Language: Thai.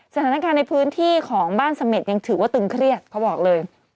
สถานการณ์ในพื้นที่ของบ้านเสม็ดยังถือว่าตึงเครียดเขาบอกเลย